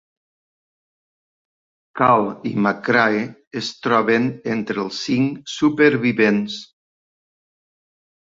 Call i McCrae es troben entre els cinc supervivents.